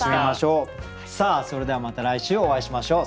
それではまた来週お会いしましょう。